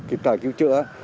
kịp thời cứu chữa